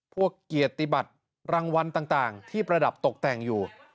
เกียรติบัตรรางวัลต่างที่ประดับตกแต่งอยู่